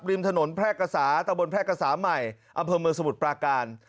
ริมถนนแพร่กษาตะบนแพร่กษาใหม่อำเภอเมืองสมุทรปราการ